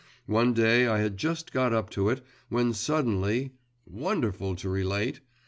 One day I had just got up to it, when suddenly wonderful to relate!